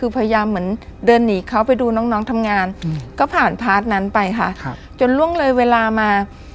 ไปค่ะจนร่วงเลยเวลามา